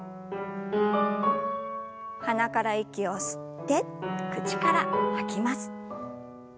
鼻から息を吸って口から吐きます。